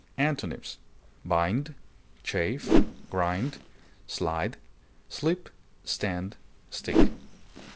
Antonyms: bind, chafe, grind, slide, slip, stand, stick.